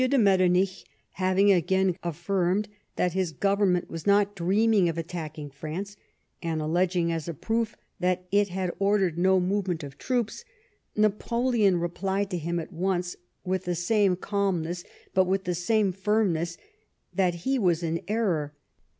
M. de Mettcrnich having again affirmed that his Government was not dreaming of" attacking France, and alleging as a proof that it had ordered no movement of troops, Napoleon replied to him at once, with the same calmness but with the same firmness, that he was in error